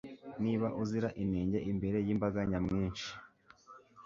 niba uzira inenge imbere y'imbaganyamwinshi